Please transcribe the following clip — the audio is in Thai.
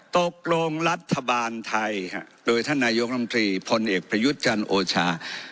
ตกลงรัฐบาลไทยโดยท่านนายกรรมตรีพลเอกประยุทธ์จันทร์โอชา